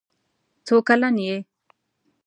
څو کلن یې؟